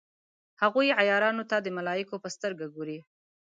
هغوی عیارانو ته د ملایکو په سترګه ګوري.